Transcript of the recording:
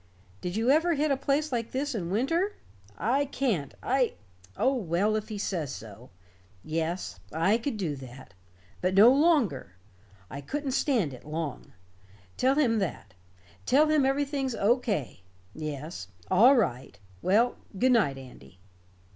Did you ever hit a place like this in winter? I can't I oh, well, if he says so. Yes. I could do that. But no longer. I couldn't stand it long. Tell him that. Tell him everything's O. K. Yes. All right. Well, good night, Andy."